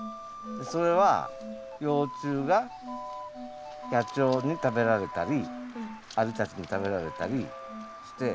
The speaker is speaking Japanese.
それは幼虫が野鳥に食べられたりアリたちに食べられたりして。